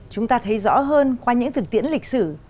chúng ta thấy rõ hơn qua những thực tiễn lịch sử